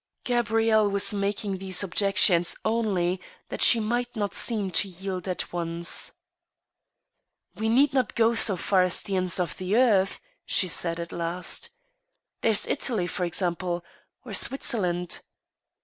Gabrielle was making these objections only that she might not seem to yield at once. " We need not go quite so far as the ends of the earth," she said, at last. " There's Italy, for example, or Switzerland."